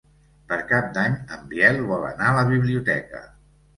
Per Cap d'Any en Biel vol anar a la biblioteca.